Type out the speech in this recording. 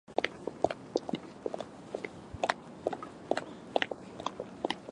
札幌駅に着いた